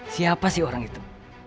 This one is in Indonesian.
siapa sih orang itu